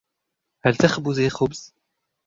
هل تخبزي خبز؟